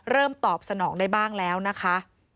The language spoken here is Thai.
ตอบสนองได้บ้างแล้วนะคะ